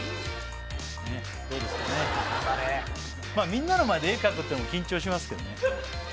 みんなの前で絵描くってのも緊張しますけどね。